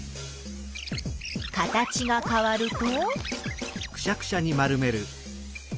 形がかわると？